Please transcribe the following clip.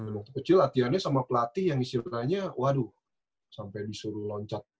waktu kecil latihannya sama pelatih yang istilahnya waduh sampai disuruh loncat